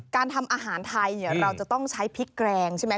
การทำอาหารไทยเราจะต้องใช้พริกแกรงใช่ไหม